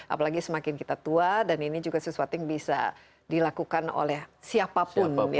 apalagi semakin kita tua dan ini juga sesuatu yang bisa dilakukan oleh siapapun